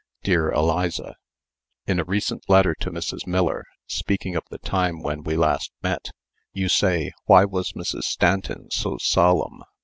"Dear Eliza: "In a recent letter to Mrs. Miller, speaking of the time when we last met, you say, 'Why was Mrs. Stanton so solemn?'